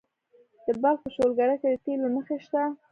د بلخ په شولګره کې د تیلو نښې شته.